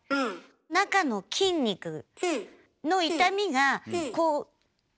中の筋肉の痛みがこう。